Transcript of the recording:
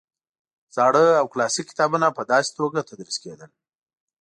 زاړه او کلاسیک کتابونه په داسې توګه تدریس کېدل.